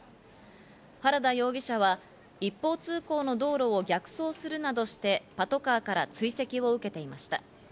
原田容疑者は一方通行の道路を逆走するなどしてパトカーから追跡を受けていました。